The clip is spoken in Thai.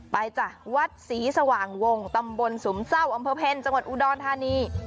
จ้ะวัดศรีสว่างวงตำบลสุมเศร้าอำเภอเพลจังหวัดอุดรธานี